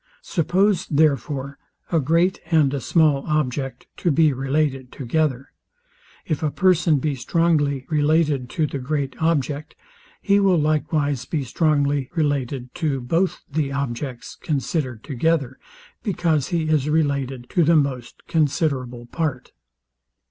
Suppose, therefore, a great and a small object to be related together; if a person be strongly related to the great object, he will likewise be strongly related to both the objects, considered together, because he Is related to the most considerable part.